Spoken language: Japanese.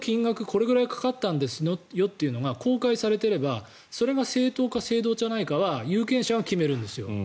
これぐらいかかったんですよというのが公開されていればそれが正当か正当じゃないかは有権者が決めるんですよ。